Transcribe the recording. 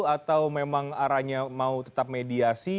atau memang arahnya mau tetap mediasi